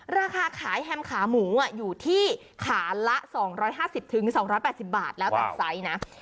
ราคาขายแฮมขาหมูอยู่ที่ขาละ๒๕๐๒๘๐บาทแล้วแต่ไซส์นะ